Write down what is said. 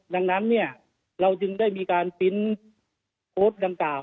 ดังนั้นเราจึงได้มีการปรินท์โพสต์ดำเก่า